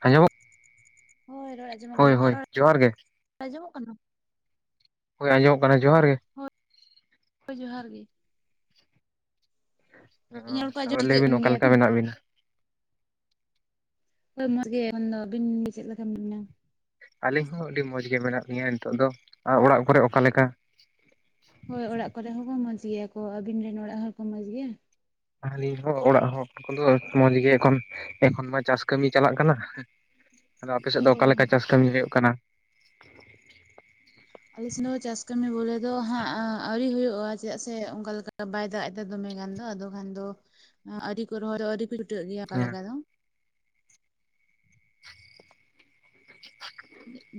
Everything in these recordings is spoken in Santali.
ᱟᱸᱡᱚᱢᱚᱜᱼᱼ ᱦᱳᱭ, ᱨᱚᱲ ᱟᱸᱡᱚᱢᱚᱜ ᱠᱟᱱᱟ, ᱤᱧᱟᱹᱜ ᱨᱚᱲ, ᱡᱚᱦᱟᱨ ᱜᱮ ᱟᱸᱡᱚᱢᱚᱜ ᱠᱟᱱᱟ? ᱦᱳᱭ ᱟᱸᱡᱚᱢᱚᱜ ᱠᱟᱱᱟ, ᱡᱚᱦᱟᱨ ᱜᱮ᱾ ᱦᱳ, ᱡᱚᱸᱦᱟᱨ ᱜᱮ ᱤᱧᱟᱹᱜ ᱨᱚᱲ ᱠᱚ, [unintelligible] ᱛᱟᱯᱚᱨᱮ ᱞᱟᱹᱭ ᱴᱷᱤᱠᱟᱹᱜ ᱵᱤᱱ ᱠᱟᱱ ᱚᱠᱟ ᱜᱮᱭᱟ ᱛᱚ? ᱞᱮᱠᱟ ᱢᱮᱱᱟᱜ ᱵᱤᱱᱟ ᱦᱳᱭ ᱢᱚᱡᱽ ᱜᱮ, [unintelligible] ᱟᱹᱵᱤᱱ ᱜᱮ ᱪᱮᱫ ᱞᱮᱠᱟ ᱢᱮᱱᱟᱜ ᱵᱮᱱᱟ? ᱟᱹᱞᱤᱧ ᱦᱚᱸ, ᱟᱹᱰᱤ ᱢᱚᱸᱡᱽ ᱜᱮ ᱢᱮᱱᱟᱜ ᱞᱤᱧᱟᱹ ᱱᱤᱛᱚᱜ ᱫᱚ, ᱟᱨ ᱚᱲᱟᱜ ᱠᱚᱨᱮ ᱚᱠᱟᱞᱮᱠᱟ? ᱦᱳᱭ ᱚᱲᱟᱜ ᱠᱚᱨᱮ ᱦᱚᱸ ᱠᱚ, ᱢᱚᱸᱡᱽ ᱜᱮᱭᱟ ᱠᱚ, ᱟᱵᱤᱱ ᱨᱮᱱ ᱚᱲᱟᱜ ᱦᱚᱲ ᱠᱚ ᱢᱚᱸᱡᱽ ᱜᱮᱭᱟ? ᱟᱹᱞᱤᱧ ᱦᱚᱸ, ᱚᱲᱟᱜ ᱦᱚᱲ ᱠᱚᱫᱚ, ᱢᱚᱸᱡᱽ ᱜᱮ, ᱮᱠᱷᱚᱱ, ᱮᱠᱷᱚᱱ ᱢᱟ ᱪᱟᱥ ᱠᱟᱹᱢᱤ ᱪᱟᱞᱟᱜ ᱠᱟᱱᱟ᱾ [inaudible] ᱟᱫᱚ ᱟᱯᱮ ᱥᱮᱫ ᱫᱚ, ᱦᱳᱭ ᱚᱠᱟ ᱞᱮᱠᱟ ᱪᱟᱥ ᱠᱟᱹᱢᱤ ᱦᱩᱭᱩᱜ ᱠᱟᱱᱟ? ᱟᱞ ᱥᱮᱫ ᱫᱚ, ᱪᱟᱥ ᱠᱟᱹᱢᱤ ᱵᱚᱞᱮ ᱫᱚ ᱦᱟᱸᱜ, ᱟᱣᱨᱤ ᱦᱩᱭᱩᱜᱼᱟ, ᱪᱮᱫᱟᱜ ᱥᱮ, ᱚᱱᱠᱟ ᱞᱮᱠᱟ, ᱵᱟᱭ ᱫᱟᱜ ᱮᱫᱟ ᱾ ᱫᱚᱢᱮ ᱜᱟᱱ ᱫᱚ, ᱟᱫᱚ ᱠᱷᱟᱱ ᱫᱚ, ᱟᱣᱨᱤ ᱠᱚ, [unintelligible] ᱨᱚᱦᱚᱭ ᱟᱹᱨᱤ ᱠᱚ ᱪᱩᱴᱟᱹᱜ ᱜᱮᱭᱟ ᱚᱱᱠᱟ ᱦᱮᱸ ᱞᱮᱠᱟ ᱫᱚ ᱾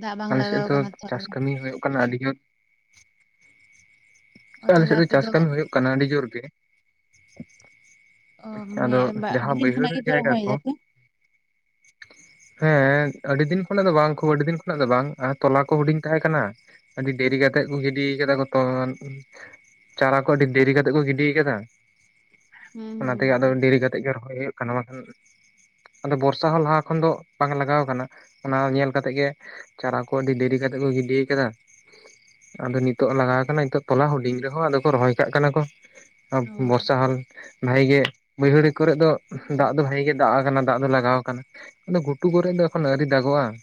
ᱫᱟᱜ ᱵᱟᱝ ᱟᱞᱮ ᱥᱮᱫ ᱞᱟᱜᱟᱣ ᱫᱚ, ᱠᱟᱱᱟ ᱛᱚ ᱪᱟᱥ ᱟᱫᱚ᱾ ᱠᱟᱹᱢᱤ ᱦᱩᱭᱩᱜ ᱠᱟᱱᱟ ᱟᱹᱰᱤ ᱜᱟᱱ ᱚ ᱟᱞᱮ ᱛᱟᱦᱚᱞᱮ ᱥᱮᱫ ᱫᱚ ᱟᱯᱮ ᱪᱟᱥ ᱠᱟᱢᱤ ᱦᱩᱭᱩᱜ ᱠᱟᱱᱟ, ᱟᱹᱰᱤ ᱡᱳᱨ ᱜᱮ ᱚ ᱾ ᱢᱟᱱᱮ ᱟᱫᱚ, ᱡᱟᱸᱦᱟ, ᱟᱹᱰᱤ ᱫᱤᱱ ᱵᱟᱹᱭᱦᱟᱹᱲ ᱠᱷᱚᱱᱟᱜ ᱜᱮᱯᱮ ᱡᱟᱭᱜᱟ ᱨᱚᱦᱚᱭ ᱠᱚ ᱫᱟᱯᱮ ᱦᱮᱸ, ᱟᱹᱰᱤ ᱫᱤᱱ ᱠᱷᱚᱱᱟᱜ ᱫᱚ ᱵᱟᱝ, ᱠᱷᱩᱵ ᱟᱹᱰᱤ ᱫᱤᱱ ᱠᱷᱚᱱᱟᱜ ᱫᱚ ᱵᱟᱝ, ᱟᱨ ᱛᱚᱞᱟ ᱠᱚ, ᱦᱩᱸᱰᱤᱧ ᱛᱟᱸᱦᱮ ᱠᱟᱱᱟ ᱾ ᱟᱹᱰᱤ, ᱫᱮᱨᱤ ᱠᱟᱛᱮᱜ ᱠᱚ ᱜᱤᱰᱤᱭ ᱠᱟᱫᱟ ᱜᱚ, ᱛᱚ, ᱪᱟᱨᱟ ᱠᱚ, ᱟᱹᱰᱤ ᱫᱮᱨᱤ ᱠᱟᱛᱮᱜ ᱠᱚ, ᱜᱤᱰᱤᱭ ᱠᱟᱫᱟ ᱾ ᱦᱩᱸ ᱚᱱᱟ ᱛᱮᱜᱮ, ᱟᱫᱚ ᱫᱮᱨᱤ ᱠᱟᱛᱮᱜ ᱜᱮ, ᱨᱚᱦᱚᱭ ᱦᱩᱭᱩᱜ ᱠᱟᱱᱟ, ᱵᱟᱸᱠᱷᱟᱱ ᱟᱫᱚ, ᱵᱚᱨᱥᱟ ᱦᱚᱸ ᱞᱟᱦᱟ ᱠᱷᱚᱱ ᱫᱚ, ᱵᱟᱝ ᱞᱟᱜᱟᱣ ᱠᱟᱱᱟ, ᱚᱱᱟ ᱧᱮᱞ ᱠᱟᱛᱮᱜ ᱜᱮ ᱪᱟᱨᱟ ᱠᱚ ᱟᱹᱰᱤ ᱫᱮᱨᱤ ᱠᱟᱛᱮᱜ ᱠᱚ ᱜᱤᱰᱤᱭ ᱠᱟᱫᱟ, ᱟᱫᱚ ᱱᱤᱛᱚᱜ ᱞᱟᱜᱟᱣ ᱠᱟᱱᱟ, ᱱᱤᱛᱚᱜᱼᱼ ᱛᱚᱞᱟ ᱦᱩᱰᱤᱧ ᱨᱮᱦᱚᱸ, ᱟᱫᱚ ᱠᱚ ᱨᱚᱦᱚᱭ ᱠᱟᱜ ᱠᱟᱱᱟ ᱠᱚ, ᱟᱫᱚ ᱦᱩᱸ ᱦᱳᱭ ᱵᱚᱨᱥᱟ ᱦᱚᱞᱼᱼ ᱵᱷᱟᱜᱮ ᱜᱮ, ᱵᱟᱹᱭᱦᱟᱹᱲ ᱠᱚᱨᱮ ᱫᱚ, ᱫᱟᱜ ᱦᱳᱭ ᱫᱚ, ᱵᱷᱟᱜᱮ ᱼᱼ ᱫᱟᱜ ᱟᱠᱟᱱᱟ, ᱫᱟᱜ ᱫᱚ ᱞᱟᱜᱟᱣ ᱠᱟᱱᱟ, ᱟᱫᱚ ᱜᱷᱩᱴᱩ ᱠᱚᱨᱮ ᱫᱚ, ᱮᱠᱷᱚᱱ ᱟᱣᱨᱤ ᱫᱟᱜᱚᱜ-ᱟ ᱾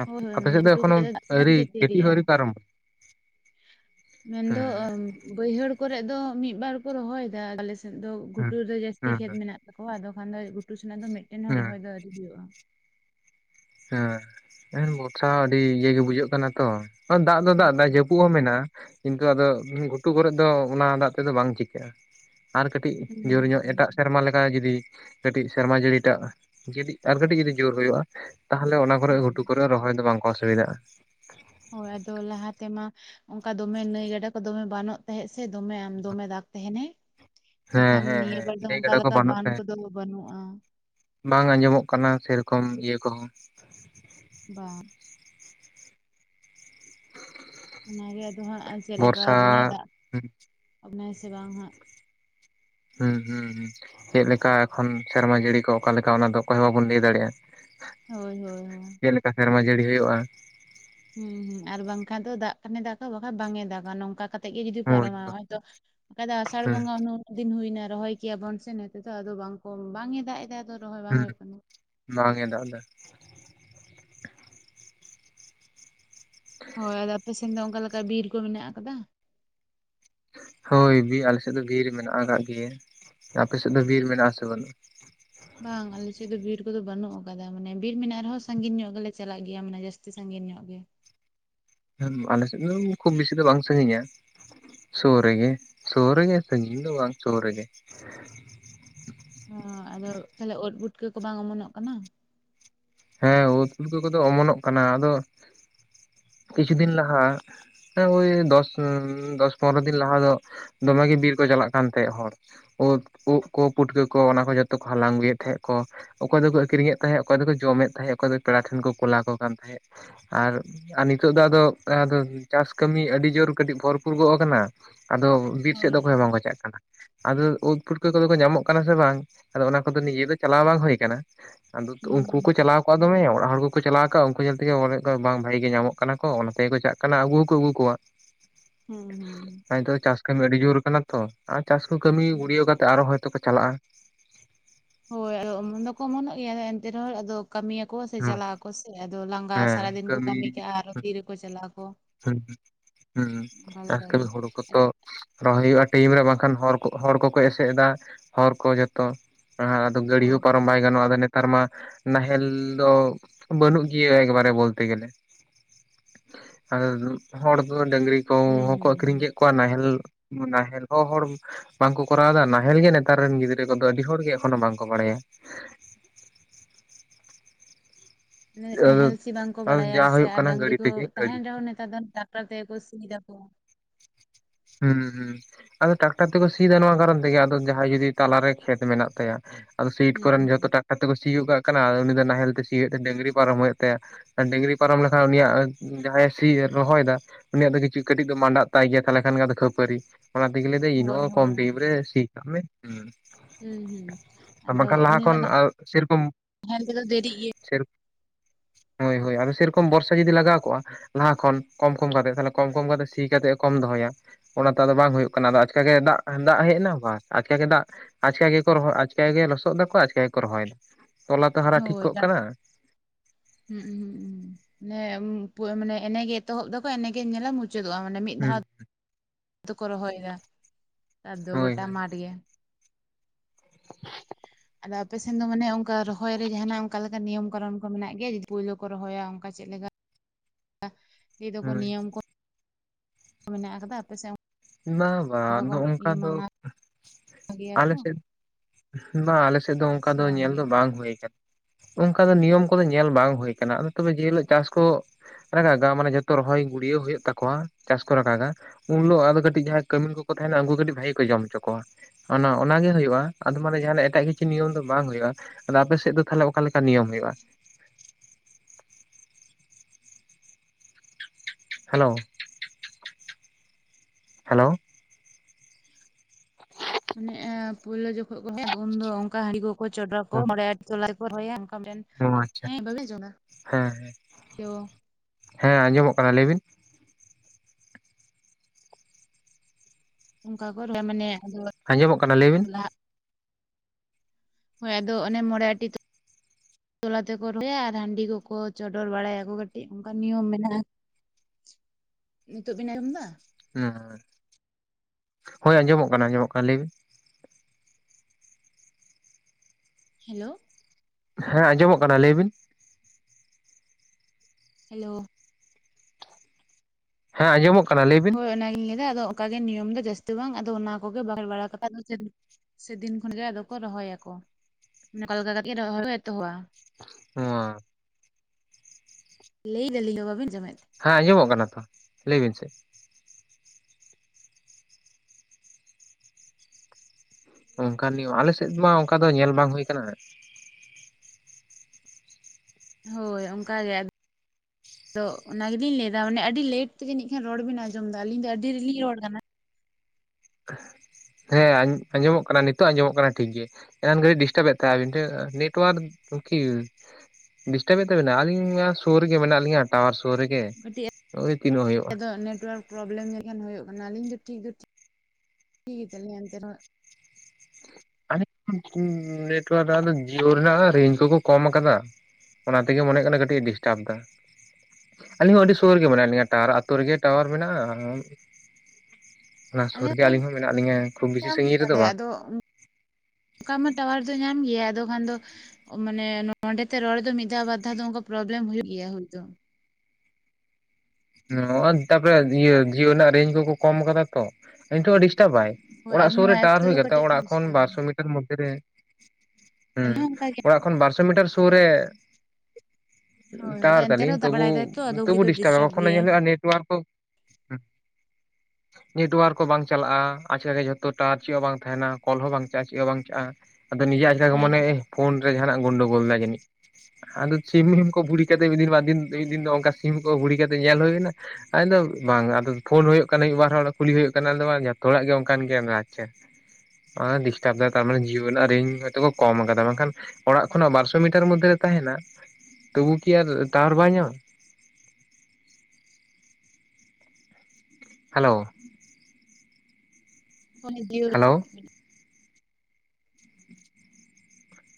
ᱟ, ᱦᱳᱭ ᱦᱳᱭ ᱟᱯᱮ ᱢᱟᱱᱮ ᱥᱮᱫ ᱫᱚ ᱜᱷᱩᱴᱩ ᱮᱠᱷᱚᱱᱚ, ᱠᱚᱨᱮ ᱟᱣᱨᱤ, ᱠᱟᱹᱴᱤᱡ ᱦᱚᱸ ᱟᱣᱨᱤ ᱯᱮ ᱟᱨᱟᱢᱵᱷᱚᱭᱟ ᱢᱮᱱ ᱫᱚ, ᱟᱸ, ᱵᱟᱹᱭᱦᱟᱹᱲ ᱠᱚᱨᱮᱜ ᱫᱚ ᱢᱤᱫ ᱵᱟᱨ ᱠᱚ ᱨᱚᱦᱚᱭ ᱫᱟ, ᱟᱞᱮ ᱥᱮᱫ᱾ [unintelligible] ᱦᱮᱸ ᱜᱷᱩᱴᱩ ᱨᱮ ᱡᱟᱹᱥᱛᱤ ᱦᱮᱸ ᱠᱷᱮᱛ ᱢᱮᱱᱟᱜ ᱛᱟᱠᱚᱣᱟ, ᱟᱫᱚ ᱠᱷᱟᱱ ᱫᱚ, ᱜᱷᱩᱴᱩ ᱥᱮᱱᱟᱜ ᱫᱚ ᱢᱮᱜᱴᱮᱱ ᱦᱚᱸ ᱦᱮᱸ ᱨᱚᱦᱚᱭ ᱫᱚ ᱟᱣᱨᱤ ᱦᱩᱭᱩᱜ-ᱟ ᱾ ᱦᱮᱸ, ᱮᱸ ᱵᱚᱨᱥᱟ ᱦᱚᱸ, ᱟᱹᱰᱤ ᱤᱭᱟᱹ ᱜᱮ ᱵᱩᱡᱷᱟᱹᱜ ᱠᱟᱱᱟ ᱛᱚ, ᱫᱟᱜ ᱫᱚ ᱫᱟᱜ ᱫᱟᱭ, ᱦᱳᱭ ᱡᱟᱹᱯᱩᱫ ᱦᱚᱸ ᱢᱮᱱᱟᱜ-ᱟ ᱾ ᱠᱤᱱᱛᱩ ᱟᱫᱚ, ᱜᱷᱩᱴᱩ ᱠᱚᱨᱮ ᱫᱚ, ᱚᱱᱟ ᱫᱟᱜ ᱛᱮᱫᱚ ᱵᱟᱝ ᱪᱤᱠᱟᱹᱜ-ᱟ, ᱟᱨ ᱠᱟᱹᱴᱤᱡᱼᱼ [unintelligible] ᱡᱳᱨ ᱧᱚᱜ, ᱮᱴᱟᱜ ᱦᱩᱸ ᱥᱮᱨᱢᱟ ᱞᱮᱠᱟ, ᱡᱩᱫᱤ ᱠᱟᱹᱴᱤᱡ, ᱥᱮᱨᱢᱟ ᱡᱩᱫᱤ, ᱮᱴᱟᱜ, ᱟᱨ ᱠᱟᱹᱴᱤᱡ ᱡᱩᱫᱤ ᱡᱳᱨ ᱦᱳᱭᱳᱜ-ᱟ ᱾ ᱛᱟᱦᱞᱮ ᱚᱱᱟ ᱠᱚᱨᱮᱜ, ᱦᱳᱭ ᱜᱷᱩᱴᱩ ᱠᱚᱨᱮᱜ ᱨᱚᱦᱚᱭ ᱫᱚ ᱵᱟᱝ ᱠᱚ, ᱚᱥᱩᱵᱷᱤᱫᱟᱜ-ᱟ ᱾ ᱳᱭ ᱟᱫᱚ ᱞᱟᱦᱟ ᱛᱮᱢᱟ ᱚᱝᱠᱟ ᱫᱚᱢᱮ ᱱᱟᱹᱭ-ᱜᱟᱰᱟ ᱠᱚ ᱫᱚᱢᱮ ᱵᱟᱱᱚᱜ ᱛᱟᱦᱮᱸᱜ ᱥᱮ ᱫᱚᱢᱮ ᱟᱢ ᱫᱚᱢᱮ ᱫᱟᱜᱽ ᱛᱟᱦᱮᱱᱮ᱾ ᱦᱮᱸ ᱮᱱᱠᱷᱟᱱ ᱦᱮᱸ ᱱᱤᱭᱟᱹ ᱦᱮᱸ ᱵᱟᱨ ᱫᱚ ᱱᱟᱹᱭ ᱚᱝᱠᱟ ᱜᱟᱰᱟ ᱠᱚ ᱞᱮᱠᱟ ᱵᱟᱹᱱᱩᱜ ᱵᱟᱱ ᱛᱮ ᱠᱚᱫᱚ ᱵᱟᱹᱱᱩᱜᱼᱟᱸ᱾ ᱵᱟᱝ ᱟᱸᱡᱚᱢᱚᱜ ᱠᱟᱱᱟ, ᱥᱮ ᱨᱚᱠᱚᱢ ᱤᱭᱟᱹ ᱠᱚᱦᱚᱸ᱾ ᱵᱟ᱾ ᱚᱱᱟᱜᱮ ᱟᱫᱚ ᱦᱟᱸᱜ ᱟ ᱪᱮᱜ ᱞᱮᱠᱟ ᱵᱚᱨᱥᱟ ᱟᱵᱚᱱᱟᱭ, ᱫᱟᱜ ᱦᱩᱸ ᱟᱵᱱᱟᱭ ᱥᱮ ᱵᱟᱝ ᱦᱟᱸᱜ! ᱦᱩᱸ, ᱦᱩᱸ, ᱦᱩᱸ, ᱦᱩᱸ᱾ ᱪᱮᱜ ᱞᱮᱠᱟ ᱮᱠᱷᱚᱱ ᱥᱮᱨᱢᱟ ᱡᱟᱹᱲᱤ ᱠᱚ ᱚᱠᱟ ᱞᱮᱠᱟ? ᱚᱱᱟ ᱫᱚ ᱚᱠᱚᱭ ᱦᱚᱸ ᱵᱟᱵᱚᱱ ᱞᱟᱹᱭ ᱫᱟᱲᱮᱜᱼᱟ᱾ ᱦᱳᱭ, ᱦᱳᱭ, ᱦᱳᱭ᱾ ᱪᱮᱜ ᱞᱮᱠᱟ ᱥᱮᱨᱢᱟ ᱡᱟᱲᱤ ᱦᱩᱭᱩᱜᱼᱟ? ᱦᱩᱸ-ᱦᱩᱸ ᱟᱨ ᱵᱟᱝᱠᱷᱟᱸ ᱫᱚ ᱫᱟᱜ ᱠᱷᱟᱱᱮ ᱫᱟᱜᱟ ᱵᱟᱝᱠᱷᱟ ᱵᱟᱝᱮ ᱫᱟᱜᱟ ᱱᱚᱝᱠᱟ ᱠᱟ- -ᱛᱮ ᱜᱮ ᱡᱩᱫᱤ ᱦᱳᱭ ᱯᱟᱨᱚᱢᱟ ᱦᱚᱭᱛᱚ ᱠᱟᱡ ᱫᱟ ᱟᱥᱟᱲ ᱦᱩᱸ ᱵᱚᱸᱜᱟ ᱩᱱᱩ ᱫᱤᱱ ᱦᱩᱭ ᱮᱱᱟ ᱨᱚᱦᱚᱭ ᱠᱮᱭᱟ ᱵᱚᱱ ᱥᱮ ᱱᱮ ᱛᱮ ᱫᱚ᱾ ᱟᱫᱚ ᱵᱟᱝ ᱠᱚ ᱵᱟᱝᱮ ᱫᱟᱜ ᱮᱫᱟ ᱟᱫᱚ ᱨᱚᱦᱚᱭ ᱵᱟᱝ ᱦᱩᱭᱩᱜ ᱠᱟᱱᱟ᱾ ᱵᱟᱝᱮ ᱫᱟᱜ ᱫᱟ᱾ [inaudible] ᱦᱳᱭ, ᱟᱫᱚ ᱟᱯᱮᱥᱮᱱ ᱫᱚ ᱚᱝᱠᱟ ᱞᱮᱠᱟ ᱵᱤᱨ ᱠᱚ ᱢᱮᱱᱟᱜ ᱟᱠᱟᱫᱟ? ᱦᱳᱭ, ᱵᱤ ᱟᱞᱮ ᱥᱮᱫ ᱫᱚ ᱵᱤᱨ ᱢᱮᱱᱟᱜ ᱟᱠᱟᱜ ᱜᱮᱭᱟ᱾ ᱟᱯᱮ ᱥᱮᱜ ᱫᱚ ᱵᱤᱨ ᱢᱮᱱᱟᱜ ᱟᱥᱮ ᱵᱟᱹᱱᱩᱜ? ᱵᱟᱝ ᱟᱞᱮ ᱥᱮᱜ ᱫᱚ ᱵᱤᱨ ᱠᱚᱫᱚ ᱵᱟᱹᱱᱩᱜ ᱟᱠᱟᱫᱟ, ᱢᱟᱱᱮ ᱵᱤᱨ ᱢᱮᱱᱟᱜ ᱨᱮᱦᱚᱸ ᱥᱟᱸᱜᱤᱧ ᱧᱚᱜ ᱜᱮ ᱞᱮ ᱪᱟᱞᱟᱜ ᱜᱮᱭᱟ, ᱢᱟᱱᱮ ᱡᱟᱹᱥᱛᱤ ᱥᱟᱸᱜᱤᱱ ᱧᱚᱜ ᱜᱮ᱾ ᱟᱸ ᱵᱟᱞᱮ ᱥᱮᱱᱚᱜᱼᱟ, ᱠᱷᱩᱵ ᱵᱤᱥᱤ ᱫᱚ ᱵᱟᱝ ᱥᱟᱸᱜᱤᱧᱟ᱾ ᱥᱳ ᱨᱮᱜᱮ, ᱥᱳ ᱨᱮᱜᱮ ᱥᱟᱸᱜᱤᱧ ᱫᱚ ᱵᱟᱝ ᱥᱳ ᱨᱮᱜᱮ᱾ ᱦᱟ ᱟᱫᱚ ᱛᱟᱦᱞᱮ ᱳᱫ, ᱵᱳᱴ ᱠᱚ-ᱠᱚ ᱵᱟᱝ ᱚᱢᱚᱱᱚᱜ ᱠᱟᱱᱟ? ᱦᱮᱸ, ᱳᱫ, ᱯᱩᱴᱠᱟᱹ ᱠᱚᱫᱚ ᱚᱢᱚᱱᱚᱜ ᱠᱟᱱᱟ, ᱟᱫᱚ ᱠᱤᱪᱷᱩ ᱫᱤᱱ ᱞᱟᱦᱟ ᱦᱮᱸ ᱳᱭ ᱫᱚᱥ, ᱫᱚᱥ-ᱯᱚᱱᱨᱚ ᱫᱤᱱ ᱞᱟᱦᱟ ᱫᱚ ᱫᱚᱢᱮ ᱜᱮ ᱵᱤᱨ ᱠᱚ ᱪᱟᱞᱟᱜ ᱠᱟᱱ ᱛᱷᱮᱸᱜ ᱦᱚᱲ᱾ ᱳᱫ, ᱩᱜ ᱠᱚ, ᱯᱩᱴᱠᱟᱹ ᱠᱚ, ᱚᱱᱟ ᱠᱚ ᱡᱚᱛᱚ ᱠᱚ ᱦᱟᱞᱟᱝ ᱜᱩᱭᱮᱜ ᱛᱷᱮᱜ ᱠᱚ᱾ ᱚᱠᱚᱭ ᱫᱚᱠᱚ ᱟᱹᱠᱨᱤᱧᱮᱜ ᱛᱟᱸᱦᱮᱜ, ᱚᱠᱚᱭ ᱫᱚᱠᱚ ᱡᱚᱢᱮᱜ ᱛᱟᱸᱦᱮᱜ, ᱚᱠᱚᱭ ᱫᱚ ᱯᱮᱲᱟ ᱴᱷᱮᱱ ᱠᱚ ᱠᱳᱞᱟᱠᱚ ᱠᱟᱱ ᱛᱟᱸᱦᱮ᱾ ᱟᱨ ᱟ ᱱᱤᱛᱚᱜ ᱫᱚ ᱟᱫᱚ ᱠᱟᱫᱚ ᱪᱟᱥ ᱠᱟᱹᱢᱤ ᱟᱹᱰᱤ ᱡᱳᱨ ᱠᱟᱹᱴᱤᱜ ᱵᱷᱚᱨᱯᱩᱨᱵᱚᱜ ᱟᱠᱟᱱᱟ᱾ ᱟᱫᱚ ᱵᱤᱨ ᱥᱮᱜ ᱦᱳᱭ ᱫᱚ ᱚᱠᱭ ᱦᱚᱸ ᱦᱳᱭ ᱵᱟᱝ ᱠᱚ ᱪᱟᱜ ᱠᱟᱱᱟ᱾ ᱟᱫᱚ ᱩᱫ, ᱯᱩᱴᱠᱟᱹ ᱠᱚᱫᱚ ᱠᱚ ᱧᱟᱢᱚᱜ ᱠᱟᱱᱟ ᱥᱮ ᱵᱟᱝ, ᱟᱫᱚ ᱚᱱᱟ ᱠᱚᱫᱚ ᱱᱤᱡᱮ ᱫᱚ ᱪᱟᱞᱟᱣ ᱵᱟᱝ ᱦᱳᱭ ᱠᱟᱱᱟ! ᱟᱫᱚ ᱛᱚ ᱩᱸᱦ ᱦᱩᱸ ᱪᱟᱞᱟᱣ ᱠᱚᱜ ᱫᱚᱢᱮ ᱚᱲᱟᱜ ᱦᱚᱲ ᱠᱚᱠᱚ ᱪᱟᱞᱟᱣᱼᱟ ᱪᱟᱞᱟᱣ ᱠᱚᱜᱼᱟ ᱫᱚᱢᱮ ᱚᱲᱟᱜ ᱦᱚᱲ ᱠᱚ-ᱠᱚ ᱪᱟᱞᱟᱣ ᱠᱟᱜᱼᱟ, ᱩᱝᱠᱩ ᱧᱮᱞ ᱛᱮᱜᱮ ᱢᱚᱱᱮ ᱭᱩᱜ ᱠᱟ ᱵᱟᱝ ᱵᱷᱟᱜᱤ ᱜᱮ ᱧᱟᱢᱚᱜ ᱠᱟᱱᱟ ᱠᱚ ᱚᱱᱟ ᱛᱮᱜᱮ ᱠᱚ ᱪᱟᱜ ᱠᱟᱱᱟ ᱟᱹᱜᱩ ᱦᱩᱠᱩ ᱩᱜᱩ ᱠᱚᱣᱟᱸ᱾ ᱦᱩᱸ-ᱦᱩᱸ᱾ ᱟᱸ ᱛᱚᱜ ᱪᱟᱥ ᱠᱟᱹᱢᱤ ᱟᱹᱰᱤ ᱡᱳᱨ ᱠᱟᱱᱟ ᱛᱚ ᱟ ᱪᱟᱥ ᱠᱚ ᱠᱟᱹᱢᱤ ᱜᱩᱲᱭᱟᱹᱣ ᱠᱟᱛᱮᱜ ᱟᱨᱚ ᱦᱚᱭᱛᱳ ᱠᱚ ᱪᱟᱞᱟᱜᱼᱟᱸ᱾ ᱦᱳᱭ ᱟᱣᱚ ᱚᱢᱚᱱ ᱫᱚᱠᱚ ᱚᱢᱚᱱᱚᱜ ᱜᱮᱭᱟ ᱮ ᱮᱱᱛᱮ ᱨᱮᱦᱚᱸ ᱟᱫᱚ ᱠᱟᱢᱤᱭᱟ ᱠᱚ ᱥᱮ ᱦᱮᱸ ᱪᱟᱞᱟᱜ ᱟᱠᱚ ᱥᱮ ᱟᱫᱚ ᱞᱟᱸᱜᱟ ᱦᱮᱸ ᱥᱟᱨᱟᱫᱤᱱ ᱠᱚ ᱠᱟᱹᱢᱤ ᱠᱟᱢᱤ ᱠᱟᱼᱟ ᱟᱨᱚ ᱛᱤ ᱨᱮ ᱠᱚ ᱪᱟᱞᱟᱜ ᱟᱠᱚ! ᱦᱩᱸ, ᱦᱩᱸ, ᱚᱱᱠᱟ ᱪᱟᱥ ᱞᱮᱠᱟ ᱜᱮ ᱠᱟᱸᱢᱤ ᱦᱩᱲᱩ ᱠᱚ ᱛᱚ ᱨᱚᱦᱚᱭ ᱦᱩᱭᱩᱜᱼᱟ ᱴᱤᱭᱤᱢ ᱨᱮ, ᱵᱟᱸᱠᱷᱟᱱ ᱦᱚᱨ, ᱦᱚᱲ ᱠᱚ-ᱠᱚ ᱮᱥᱮᱜ ᱮᱫᱟ, ᱦᱚᱨ ᱠᱚ ᱡᱚᱛᱚ᱾ ᱦᱟᱸᱦᱟᱸ ᱟᱫᱚ ᱜᱟᱹᱲᱤ ᱦᱚ ᱯᱟᱨᱚᱢ ᱵᱟᱭ ᱜᱟᱱᱚᱜᱼᱟ ᱟᱫᱚ ᱱᱤ ᱛᱟᱨ ᱢᱟ ᱱᱟᱦᱮᱞ ᱫᱚ ᱵᱟᱹᱱᱩᱜ ᱜᱮᱭᱟ ᱮᱠᱵᱟᱨᱮ ᱵᱚᱞᱛᱮ ᱜᱮᱞᱮ᱾ ᱟᱨ ᱦᱚᱲ ᱫᱚ ᱰᱟᱹᱝᱨᱤ ᱠᱚᱸ ᱦᱩᱸ ᱦᱚᱸᱠᱚ ᱦᱩᱸ ᱦᱩᱸ ᱟᱠᱷᱨᱤᱧ ᱠᱮᱜ ᱠᱚᱣᱟ ᱱᱟᱦᱮᱞ, ᱱᱟᱦᱮᱞ ᱦᱚᱸ ᱦᱚᱲ ᱵᱟᱝᱠᱚ ᱠᱚᱨᱟᱣ ᱫᱟ ᱱᱟᱦᱮᱞ ᱜᱮ ᱱᱮᱛᱟᱨ ᱨᱮᱱ ᱜᱤᱫᱽᱨᱟᱹ ᱠᱚᱫᱚ ᱟᱹᱰᱤ ᱦᱚᱲᱜᱮ ᱮᱠᱷᱚᱱᱚ ᱵᱟᱝᱠᱚ ᱵᱟᱲᱟᱭᱟ᱾ ᱱᱮᱜ ᱱᱟᱦᱮᱞᱥᱤ ᱵᱟᱝ ᱠᱚ ᱟᱫᱚ ᱵᱟᱲᱟᱭᱟ ᱡᱟ ᱥᱮ ᱦᱩᱭᱩᱜ ᱟᱨ ᱠᱟᱱᱟ ᱰᱟᱝᱨᱤ ᱜᱟᱹᱰᱤ ᱠᱚᱦᱚ ᱛᱮᱜᱮ ᱜᱟᱹᱰᱤ ᱛᱟᱦᱮᱱ ᱨᱮᱦᱚᱸ ᱱᱮᱛᱟᱨ ᱫᱚ ᱰᱟᱸ ᱴᱨᱟᱨᱠ ᱛᱮ ᱜᱮ ᱠᱚ, ᱥᱤᱭ ᱫᱟ ᱠᱚ᱾ ᱦᱩᱸ-ᱦᱩᱸ᱾ ᱟᱫᱚ ᱴᱟᱠᱴᱟᱨ ᱛᱮᱠᱚ ᱥᱤᱭ ᱫᱟᱠᱚ ᱱᱚᱣᱟ ᱠᱟᱨᱚᱱ ᱛᱮᱜᱮ, ᱟᱫᱚ ᱡᱟᱦᱟᱸᱭ ᱡᱩᱫᱤ ᱛᱟᱞᱟᱨᱮ ᱠᱷᱮᱛ ᱢᱮᱱᱟᱜ ᱛᱟᱭᱟ᱾ ᱟᱫᱚ ᱥᱤᱴ ᱦᱩᱸ ᱠᱚᱨᱮᱱ ᱡᱚᱛᱚ ᱦᱩᱸ ᱴᱟᱠᱴᱟᱨ ᱛᱮᱠᱚ ᱥᱤᱭ ᱜᱚᱫ ᱠᱟᱜ ᱠᱟᱱᱟ ᱩᱱᱤ ᱫᱚ ᱱᱟᱦᱮᱞ ᱛᱮ ᱥᱤᱭᱳ ᱦᱩᱭᱩᱜ ᱛᱟᱭᱟ। ᱰᱟᱝᱨᱤ ᱯᱟᱨᱚᱢ ᱦᱩᱭᱩᱜ ᱛᱟᱭᱟ᱾ ᱰᱟᱝᱜᱽᱨᱤ ᱯᱟᱨᱚᱢ ᱞᱮᱠᱷᱟᱱ ᱩᱱᱤᱭᱟᱜ ᱡᱟᱦᱟᱸᱭᱮ ᱥᱤ ᱨᱚᱦᱚᱭ ᱫᱟ ᱩᱱᱤᱭᱟᱜ ᱫᱚ ᱠᱤᱪᱷᱩ ᱠᱟᱹᱴᱤᱡ ᱫᱚ ᱢᱟᱸᱰᱟᱜ ᱛᱟᱭ ᱜᱮᱭᱟ। ᱛᱟᱦᱚᱞᱮ ᱠᱷᱟᱱ ᱜᱮ ᱟᱫᱚ ᱠᱷᱟᱹᱯᱟᱹᱨᱤ ᱚᱱᱟ ᱛᱮᱜᱮ ᱞᱟᱹᱭ ᱮᱫᱟ ᱤᱧ ᱦᱳᱭ ᱦᱚᱸ ᱠᱚᱢ ᱦᱳᱭ ᱴᱟᱭᱤᱢ ᱦᱳᱭ ᱨᱮ ᱥᱤ ᱠᱟᱜ ᱢᱮ। ᱦᱩᱸ ᱦᱩᱸ ᱦᱮᱸ ᱟᱫᱚ ᱵᱟᱝᱠᱷᱟᱱ ᱞᱟᱦᱟ ᱩᱱᱤ ᱫᱚ ᱠᱷᱚᱱ ᱥᱮᱨᱚᱠᱚᱢ ᱱᱟᱦᱮᱞ ᱛᱮ ᱫᱚ ᱫᱮᱨᱤᱜ ᱜᱮᱭᱟᱹ। ᱥᱮᱨᱚᱠᱚᱢ ᱦᱳᱭ ᱦᱳᱭ ᱟᱫᱚ ᱥᱮᱨᱚᱠᱚᱢ ᱵᱚᱨᱥᱟ ᱡᱩᱫᱤ ᱞᱟᱜᱟᱣ ᱠᱚᱜᱼᱟ ᱞᱟᱦᱟ ᱠᱷᱚᱱ ᱠᱚᱢ ᱠᱚᱢ ᱠᱟᱛᱮᱜ ᱛᱟᱦᱚᱞᱮ ᱠᱚᱢ ᱠᱚᱢ ᱠᱟᱛᱮ ᱥᱤ ᱠᱟᱛᱮᱜ ᱠᱚᱢ ᱫᱚᱦᱚᱭᱟ। ᱚᱱᱟ ᱛᱚ ᱟᱫᱚ ᱵᱟᱝ ᱦᱩᱭᱩᱜ ᱠᱟᱱᱟ ᱟᱫᱚ ᱟᱪᱠᱟ ᱜᱮ ᱫᱟᱜ ᱫᱟᱜ ᱦᱮᱡ ᱮᱱᱟ ᱵᱟᱥ, ᱟᱪᱠ ᱜᱮ ᱫᱟᱜ ᱟᱪᱠᱟ ᱜᱮᱠᱚ ᱨᱚᱦᱚ, ᱟᱪᱠᱟ ᱜᱮ ᱞᱚᱥᱚᱫ ᱫᱟᱠᱚ ᱟᱪᱠᱟ ᱜᱮᱠᱚ ᱨᱚᱦᱚᱭᱮᱫᱟ ᱛᱚᱞᱟ ᱛᱚ ᱦᱟᱨᱟ ᱴᱷᱤᱠ ᱦᱳᱭ ᱠᱚᱜ ᱦᱩᱸ ᱠᱟᱱᱟ। ᱦᱩᱸ ᱦᱩᱸ ᱢᱟᱱᱮ [inaudible] ᱮᱱᱮ ᱜᱮ ᱮᱛᱚᱦᱚᱵ ᱮᱟᱠᱚ ᱮᱱᱮᱜᱮ ᱧᱮᱞᱟᱢ ᱢᱩᱪ ᱪᱮᱫᱚᱜᱼᱟ ᱢᱟᱱᱮ ᱢᱤᱫ ᱦᱩᱸ ᱫᱷᱟᱣ ᱛᱮ ᱠᱚ ᱨᱚᱦᱚᱭᱮᱫᱟ ᱱᱮᱛᱟᱨ ᱫᱚ ᱦᱳᱭ ᱜᱚᱴᱟ ᱦᱳᱭ ᱢᱟᱴ ᱜᱮ। ᱟᱯᱮᱥᱮᱱ ᱫᱚ ᱢᱟᱱᱮ ᱚᱱᱠᱟ ᱨᱚᱦᱚᱭ ᱨᱮ ᱡᱟᱦᱟᱱᱟᱜ ᱚᱱᱠᱟ ᱞᱮᱠᱟ ᱱᱤᱭᱚᱢ ᱠᱟᱱᱚᱱ ᱠᱚ ᱢᱮᱱᱟᱜ ᱜᱮᱭᱟ ᱯᱩᱭᱞᱳ ᱠᱚ ᱨᱚᱦᱚᱭᱟ ᱚᱱᱠᱟ ᱪᱮᱫ ᱞᱮᱠᱟ? ᱟ ᱞᱟᱹᱭ ᱫᱚᱠᱚ ᱦᱳᱭ ᱱᱤᱭᱚᱢ ᱠᱚ ᱢᱮᱱᱟᱜ ᱟᱠᱟᱫᱟ ᱟᱯᱮ ᱥᱮᱫ ᱵᱟᱝ ᱵᱟᱝ ᱠᱚ ᱟᱫᱚ ᱚᱱᱠᱟ ᱤᱭᱟᱹ ᱫᱚ ᱢᱟᱱᱟᱣ ᱜᱮᱭᱟ ᱟᱞᱮ ᱠᱚ ᱥᱮᱫ ᱵᱟᱝ ᱟᱞᱮ ᱥᱮᱫ ᱫᱚ ᱚᱱᱠᱟ ᱥᱮ ᱫᱚ ᱧᱮᱞ ᱵᱟᱝᱜᱮ ᱫᱚ ᱵᱟᱝ ᱦᱩᱭ ᱟᱠᱟᱱᱟ। ᱚᱱᱠᱟ ᱫᱚ ᱱᱤᱭᱚᱢ ᱠᱚᱫᱚ ᱧᱮᱞ ᱵᱟᱝ ᱦᱩᱭ ᱟᱠᱟᱱᱟ ᱟᱫᱚ ᱛᱚᱵᱮ ᱡᱮᱦᱤᱞᱳᱜ ᱪᱟᱥ ᱠᱚ ᱨᱟᱠᱟᱜᱟ ᱢᱟᱱᱮ ᱡᱷᱚᱛᱚ ᱨᱚᱦᱚᱭ ᱜᱩᱲᱭᱟᱹᱣ ᱦᱩᱭᱩᱜ ᱛᱟᱠᱚᱣᱟ ᱪᱟᱥ ᱠᱚ ᱨᱟᱟᱜᱟ ᱩᱱ ᱦᱤᱞᱳᱜ ᱟᱫᱚ ᱠᱟᱹᱴᱤᱡ ᱠᱟᱹᱴᱤᱡ ᱡᱟᱦᱟᱸᱭ ᱠᱟᱹᱢᱤᱱ ᱠᱚᱠᱚ ᱛᱟᱦᱮᱸᱱᱟ ᱩᱱᱠᱩ ᱠᱟᱹᱴᱤᱡ ᱵᱷᱟᱜᱤ ᱠᱚ ᱡᱚᱢ ᱦᱚᱪᱚ ᱠᱚᱣᱟ। ᱚᱱᱟ ᱚᱱᱟ ᱜᱮ ᱦᱳᱭᱳᱜ-ᱟ ᱟᱫᱚ ᱢᱟᱱᱮ ᱡᱟᱦᱟᱸᱱᱟᱜ ᱮᱴᱟᱜ ᱠᱤᱪᱷᱩ ᱱᱤᱭᱚᱢ ᱫᱚ ᱵᱟᱝ ᱦᱩᱭᱩᱜᱼᱟ। ᱟᱫᱚ ᱟᱯᱮ ᱥᱮᱫ ᱫᱚ ᱛᱟᱦᱚᱞᱮ ᱚᱠᱟ ᱞᱮᱠᱟ ᱱᱤᱭᱚᱢ ᱦᱩᱭᱩᱜᱼᱟ? ᱦᱮᱞᱳ...... ᱦᱮᱞᱳ, [inaudible] ᱢᱟᱱᱮ ᱮ ᱯᱩᱭᱞᱳ ᱡᱚᱠᱷᱚᱱ ᱠᱚ ᱨᱚᱦᱚᱭᱟ ᱠᱚ ᱩᱱ ᱫᱚ ᱚᱱᱠᱟ ᱦᱟᱺᱰᱤ ᱠᱚ ᱠᱚ ᱪᱚᱰᱚᱨᱟ ᱠᱚ ᱵᱟᱨᱭᱟ ᱛᱚᱞᱟ [unintelligible] ᱚ ᱟᱪᱪᱷᱟ ᱦᱮᱸ ᱵᱟᱵᱮᱱ ᱟᱸᱡᱚᱢ ᱫᱟ ᱦᱮᱸ ᱦᱮᱸ ᱦᱮᱸ ᱟᱸᱧᱡᱚᱢᱚᱜ ᱠᱟᱱᱟ ᱞᱟᱹᱭ ᱵᱤᱱ। ᱚᱱᱠᱟ ᱠᱚ ᱨᱚᱦᱚᱭᱟ ᱢᱟᱱᱮ ᱟᱫᱚ ᱟᱸᱧᱡᱚᱢᱚᱜ ᱠᱟᱱᱟ ᱞᱟᱹᱭ ᱵᱤᱱ। ᱟᱜ ᱦᱳᱭ ᱟᱫᱚ ᱚᱱᱮ ᱢᱚᱬᱮ ᱟᱴᱤ ᱛᱚᱞᱟ ᱛᱮᱠᱚ ᱨᱚᱦᱚᱭᱟ ᱟᱨ ᱦᱟᱺᱰᱤ ᱠᱚᱠᱚ ᱪᱚᱰᱚᱨ ᱵᱟᱲᱟᱭᱟ ᱠᱚ ᱠᱟᱹᱴᱤᱡ ᱚᱱᱠᱟ ᱱᱤᱭᱚᱢ ᱢᱮᱱᱟᱜᱼᱟ। [inaudible] ᱱᱤᱛᱳᱜ ᱵᱤᱱ ᱟᱸᱧᱡᱚᱢ ᱫᱟ? ᱦᱩᱸ, ᱦᱳᱭ ᱟᱸᱡᱚᱢᱚᱜ ᱠᱟᱱᱟ ᱟᱸᱡᱚᱢᱚᱜ ᱠᱟᱱᱟ ᱞᱟᱹᱭ ᱵᱤᱱ। ᱦᱮᱞᱳ ᱦᱮᱸ ᱟᱸᱡᱚᱢᱚᱜ ᱠᱟᱱᱟ ᱞᱟᱹᱭ ᱵᱤᱱ? ᱦᱮᱞᱳ ᱦᱮᱸ ᱟᱸᱡᱚᱢᱚᱜ ᱠᱟᱱᱟ ᱞᱟᱹᱭ ᱵᱤᱱ ᱦᱳᱭ ᱚᱱᱟᱜᱤᱧ ᱞᱟᱹᱭᱫᱟ ᱟᱫᱚ ᱚᱝᱠᱟᱜᱮ ᱱᱤᱭᱚᱢ ᱫᱚ ᱡᱟᱹᱥᱛᱤ ᱵᱟᱝ ᱟᱫᱚ ᱚᱱᱟ ᱠᱚᱜᱮ ᱵᱟ ᱵᱟᱲᱟ ᱠᱟᱛᱮ ᱟᱫᱚ ᱪᱮᱫ ᱥᱮᱫᱤᱱ ᱠᱷᱚᱱᱜᱮ ᱟᱫᱚ ᱠᱚ ᱨᱚᱦᱚᱭᱟᱠᱚ, ᱚᱱᱠᱟ ᱠᱟᱛᱮ ᱨᱚᱦᱚᱭ ᱠᱚ ᱮᱛᱚᱦᱚᱵᱟ᱾ ᱦᱩᱸ ᱚ ᱞᱟᱹᱭᱮᱫᱟᱞᱤᱧ ᱫᱚ ᱵᱟᱵᱤᱱ ᱟᱸᱡᱚᱢᱮᱫ? ᱦᱮᱸ ᱟᱸᱡᱚᱢᱚᱜ ᱠᱟᱱᱟ ᱛᱚ ᱞᱟᱹᱭ ᱵᱤᱱ ᱥᱮ? ᱚᱱᱠᱟ ᱱᱤᱭᱟᱹ ᱟᱞᱮᱥᱮᱫ ᱢᱟ ᱚᱱᱠᱟ ᱫᱚ ᱧᱮᱞ ᱵᱟᱝ ᱦᱩᱭ ᱟᱠᱟᱱᱟ᱾ ᱦᱳᱭ ᱚᱱᱠᱟ ᱜᱮ ᱟ ᱟᱫᱚ ᱚᱱᱟᱜᱮᱞᱤᱧ ᱞᱟᱹᱭ ᱮᱫᱟ ᱢᱟᱱᱮ ᱟᱹᱰᱤ ᱞᱮᱹᱴ ᱛᱮᱜᱮ ᱡᱟᱹᱱᱤᱡ ᱠᱷᱟᱱ ᱨᱚᱲ ᱵᱮᱱ ᱟᱸᱡᱚᱢ ᱮᱫᱟ ᱟᱹᱞᱤᱧ ᱫᱚ ᱟᱹᱰᱤ ᱨᱮᱞᱤᱧ ᱨᱚᱲ ᱠᱟᱱᱟ᱾ ᱦᱮᱸ ᱟᱸᱡᱚᱢᱚᱜ ᱠᱟᱱᱟ ᱱᱤᱛᱚᱜ ᱟᱸᱡᱚᱢᱚᱜ ᱠᱟᱱᱟ ᱴᱷᱤᱠ ᱜᱮ᱾ ᱮᱱᱟᱱ ᱠᱟᱹᱴᱤᱡ ᱰᱤᱥᱴᱟᱵᱮᱫ ᱛᱟᱦᱮᱸᱫ ᱟᱹᱵᱤᱱ ᱴᱷᱮᱱ ᱱᱮᱴᱳᱣᱟᱨᱠ ᱠᱤ? ᱰᱤᱥᱴᱟᱵᱮᱫ ᱛᱟᱵᱮᱱᱟ, ᱟᱹᱞᱤᱧ ᱥᱳᱨ ᱨᱮᱜᱮ ᱢᱮᱱᱟᱜ ᱞᱤᱧᱟᱹ ᱴᱟᱣᱟᱨ ᱥᱳᱨ ᱨᱮᱜᱮ, ᱠᱟᱹᱴᱤᱡ ᱳᱭ ᱛᱤᱱᱟᱹᱜ ᱦᱚᱭᱳᱜᱼᱟ? ᱟᱫᱚ ᱱᱮᱴᱣᱟᱨᱠ, ᱯᱨᱚᱵᱞᱮᱢ ᱡᱟᱹᱱᱤᱡ ᱠᱷᱟᱱ ᱦᱳᱭᱳᱜ ᱠᱟᱱᱟ ᱟᱹᱞᱤᱧ ᱫᱚ ᱴᱷᱤᱠ ᱫᱚ ᱴᱷᱤᱠ ᱜᱮᱛᱟᱞᱤᱧᱟ ᱮᱱᱛᱮᱦᱚᱸ ᱟᱹᱱᱤᱡ ᱱᱮᱴᱣᱟᱨᱠ ᱫᱚ ᱡᱤᱭᱳ ᱨᱮᱱᱟᱜ ᱨᱮᱸᱧᱡ ᱠᱚᱠᱚ ᱠᱚᱢ ᱠᱟᱫᱟ᱾ ᱚᱱᱟᱛᱮᱜᱮ ᱢᱚᱱᱮ ᱦᱳᱭᱳᱜ ᱠᱟᱱᱟ ᱠᱟᱹᱴᱤᱡ ᱮ ᱰᱤᱥᱴᱟᱯ ᱮᱫᱟ᱾ ᱟᱹᱞᱤᱧ ᱦᱚᱸ ᱟᱹᱰᱤ ᱥᱳᱨ ᱜᱮ ᱢᱮᱱᱟᱜ ᱞᱤᱧᱟ ᱴᱟᱣᱟᱨ ᱟᱛᱳ ᱨᱮᱜᱮ ᱴᱟᱣᱟᱨ ᱢᱮᱱᱟᱜᱼᱟ᱾ ᱚᱱᱟ ᱥᱳᱨ ᱜᱮ ᱟᱹᱞᱤᱧ ᱦᱚᱸ ᱢᱮᱱᱟᱜ ᱞᱤᱧᱟ ᱠᱷᱩᱵ ᱵᱤᱥᱤ ᱧᱟᱢ ᱥᱟᱺᱜᱤᱧ ᱨᱮᱫᱚ ᱜᱮᱛᱟᱞᱮ ᱵᱟᱝ᱾ ᱟᱫᱚ ᱚᱱᱠᱟ ᱢᱟ ᱴᱟᱣᱟᱨ ᱫᱚ ᱧᱟᱢ ᱜᱮᱭᱟ ᱟᱫᱚ ᱠᱷᱟᱱ ᱫᱚ ᱢᱟᱱᱮ ᱱᱚᱸᱰᱮᱛᱮ ᱨᱚᱲ ᱫᱚ ᱢᱤᱫ ᱢᱤᱫᱷᱟᱣ ᱵᱟᱨᱫᱷᱟᱣ ᱫᱚ ᱚᱱᱠᱟ ᱯᱨᱚᱵᱽᱞᱮᱢ ᱦᱩᱭᱩᱜ ᱜᱮᱭᱟ ᱦᱩᱭ ᱫᱚ᱾ ᱱᱚ ᱛᱟᱯᱚᱨᱮ ᱤᱭᱟᱹ ᱡᱤᱭᱳ ᱨᱮᱭᱟᱜ ᱨᱮᱸᱧᱡ ᱠᱚᱠᱚ ᱠᱚᱢ ᱠᱟᱫᱟ ᱛᱚ, ᱱᱤᱛᱚ ᱰᱤᱥᱴᱟᱵᱟᱭ ᱦᱳᱭ ᱚᱲᱟᱜ ᱟᱫᱚ ᱥᱩᱨ ᱱᱚᱣᱟ ᱨᱮ ᱮᱯ ᱴᱟᱣᱟᱨ ᱦᱩᱭ ᱛᱮᱫᱚ ᱠᱟᱛᱮ ᱠᱟᱹᱴᱤᱡ ᱫᱚ ᱚᱲᱟᱜ ᱠᱷᱚᱱ ᱰᱤᱥᱴᱟᱵ ᱜᱮᱭᱟ ᱵᱟᱨᱥᱚ ᱢᱤ ᱢᱚᱫᱽᱫᱷᱮ ᱨᱮ ᱟᱞᱮ ᱦᱮᱸ ᱦᱚᱸ ᱚᱱᱠᱟ ᱜᱮ ᱚᱲᱟᱜ ᱠᱷᱚᱱ ᱵᱟᱨᱥᱚ ᱢᱤᱴᱟᱨ ᱥᱩᱨ ᱨᱮ, ᱦᱳᱭ ᱟᱫᱚ ᱴᱟᱣᱟᱨ ᱮᱱᱛᱮ ᱛᱟᱞᱤᱧ ᱨᱮᱦᱚᱸ ᱫᱟᱜ ᱵᱟᱲᱟᱭ ᱫᱟᱭ ᱛᱚᱵᱩ ᱛᱚ ᱟᱫᱚ ᱠᱟᱹᱡ ᱛᱚᱵᱩ ᱫᱚ ᱰᱤᱥᱴᱟᱵᱟ᱾ ᱰᱤᱥᱴᱟᱵ ᱠᱚᱠᱷᱚᱱᱳ ᱜᱮᱭᱟᱭ ᱧᱮᱞ ᱦᱩᱭᱩᱜᱼᱟ ᱱᱮᱴᱣᱟᱨᱠ ᱠᱚ, ᱱᱮᱴᱣᱟᱨᱠ ᱠᱚ ᱵᱟᱝ ᱪᱟᱞᱟᱜᱼᱟ, ᱟᱪᱷᱠᱟᱜᱮ ᱡᱷᱚᱛᱚ ᱴᱟᱣᱟᱨ ᱪᱮᱫ ᱦᱚᱸ ᱵᱟᱝ ᱛᱟᱸᱦᱮᱱᱟ, ᱠᱚᱞ ᱦᱚᱸ ᱵᱟᱝ ᱪᱟᱜᱼᱟ, ᱪᱮᱫ ᱦᱚᱸ ᱵᱟᱝ ᱪᱟᱜᱼᱟ᱾ ᱟᱫᱚ ᱱᱤᱡᱮ-ᱟᱡᱠᱟ ᱠᱚ ᱦᱮᱸ ᱢᱚᱱᱮ-ᱮᱭ ᱯᱷᱳᱱ ᱨᱮ ᱡᱟᱦᱟᱱᱟᱜ ᱜᱚᱱᱰᱳ ᱜᱳᱞ ᱫᱟᱭ ᱡᱟᱹᱱᱤᱡ᱾ ᱟᱫᱚ ᱥᱤᱢ ᱢᱤᱢ ᱠᱚ ᱵᱷᱩᱲᱤ ᱠᱟᱛᱮ ᱢᱤᱫ ᱫᱤᱱ ᱵᱟᱨ ᱫᱤᱱ ᱢᱤᱫ ᱫᱤᱱ ᱫᱚ ᱚᱱᱠᱟ ᱥᱤᱢ ᱠᱚ ᱵᱷᱩᱲᱤ ᱠᱟᱛᱮ ᱧᱮᱞ ᱦᱩᱭᱮᱱᱟ᱾ ᱟᱫᱚ ᱵᱟᱝ ᱟᱫᱚ ᱯᱷᱳᱱ ᱦᱳᱭᱳᱜ ᱠᱟᱱᱟ ᱢᱤᱫᱵᱟᱨ ᱦᱚᱲ ᱠᱩᱞᱤ ᱦᱳᱭᱳᱜ ᱠᱟᱱᱟ ᱟᱫᱚ ᱵᱟᱝ ᱡᱷᱚᱛᱚ ᱦᱚᱲᱟᱜ ᱜᱮ ᱚᱱᱠᱟᱱ ᱜᱮᱭᱟ ᱢᱮᱱᱫᱟ ᱟᱪᱷᱟ᱾ ᱚᱱᱟ ᱰᱤᱥᱴᱟᱵ ᱫᱟᱭ ᱛᱟᱨᱢᱟᱱᱮ ᱡᱤᱭᱳ ᱨᱮᱱᱟᱜ ᱨᱮᱸᱱᱡ ᱦᱚᱭᱛᱚ ᱠᱚ ᱠᱚᱢ ᱠᱟᱫᱟ ᱵᱟᱝᱠᱷᱟᱱ? ᱚᱲᱟᱜ ᱠᱷᱚᱱᱟᱜ ᱵᱟᱨᱥᱚ ᱢᱤᱴᱟᱨ ᱢᱚᱫᱽᱫᱷᱮ ᱨᱮ ᱛᱟᱸᱦᱮᱱᱟ, ᱛᱩᱵᱩ ᱠᱤ ᱟᱨ ᱴᱟᱣᱟᱨ ᱵᱟᱭ ᱧᱟᱢᱟ᱾ ᱦᱮᱞᱳ, ᱯᱳᱱᱮ ᱡᱤᱭᱛ ᱦᱮᱞᱳ,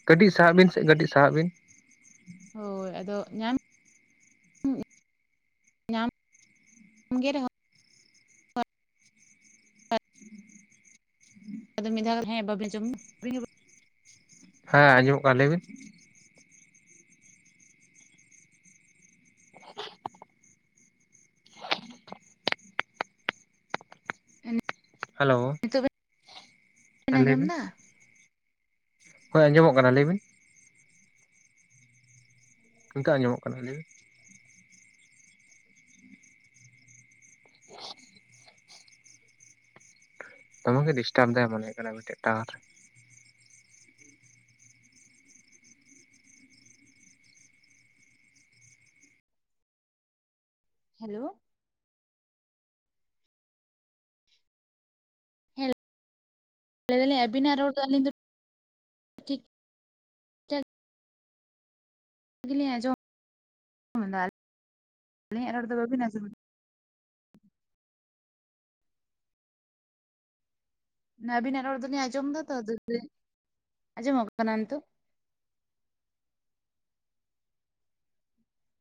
ᱠᱟᱹᱴᱤᱡ ᱥᱟᱦᱟᱜ ᱵᱤᱱ ᱥᱮ, ᱠᱟᱹᱴᱤᱡ ᱥᱟᱦᱟᱜ ᱵᱤᱱ᱾ ᱦᱳᱭ ᱟᱫᱚ ᱧᱟᱢ ᱧᱟᱢ ᱜᱮ ᱨᱮᱦᱚᱸ, [inaudible] ᱟᱫᱚ ᱢᱤᱫ ᱫᱷᱟᱣ ᱦᱮᱸ ᱵᱟᱵᱤᱱ ᱡᱚᱢ ᱧᱩ, [inaudible] ᱦᱮᱸ ᱟᱸᱡᱚᱢᱚᱜ ᱠᱟᱱᱟ ᱞᱟᱹᱭᱵᱤᱱ? [unintelligible] [inaudible] ᱦᱮᱞᱳ, ᱱᱤᱛᱚᱜ ᱵᱤᱱ ᱦᱮᱸ ᱞᱟᱹᱭ ᱟᱸᱡᱚᱢ ᱮᱫᱟ? ᱦᱳᱭ ᱟᱸᱡᱚᱢᱚᱜ ᱠᱟᱱᱟ ᱞᱟᱹᱭᱵᱤᱱ? ᱱᱤᱛᱚ ᱟᱸᱡᱚᱜ ᱠᱟᱱᱟ ᱞᱟᱹᱭᱵᱮᱱ? [unintelligible] ᱫᱚᱢᱮ ᱜᱮ ᱰᱤᱥᱴᱟᱵ ᱫᱟᱭ ᱢᱚᱱᱮ ᱦᱳᱭᱳᱜ ᱠᱟᱱᱟ ᱟᱯᱮᱴᱮᱡ ᱴᱟᱣᱟᱨ᱾ ᱦᱮᱞᱳ, ᱦᱮᱸ ᱞᱮ ᱫᱟᱞᱤᱧ ᱟᱵᱤᱱᱟᱜ ᱨᱚᱲ ᱫᱚ ᱟᱞᱤᱧ ᱫᱚ, ᱴᱷᱤᱠ ᱴᱷᱟᱠ [unintelligible] ᱢᱟᱱᱮ‌ ᱟᱵᱤᱱᱟᱜ ᱨᱟᱲ ᱫᱚᱞᱤᱧ ᱟᱡᱚᱢ ᱫᱚ ᱛᱚ ᱟᱡᱚᱢᱜ ᱠᱟᱱᱟ ᱱᱤᱛᱚᱜ?